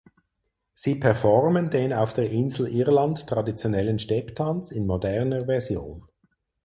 Sie performen den auf der Insel Irland traditionellen Stepptanz in moderner Version.